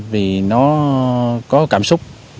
vì nó có cảm xúc